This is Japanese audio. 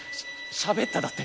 しゃべっただって？